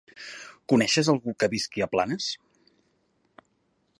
Coneixes algú que visqui a Planes?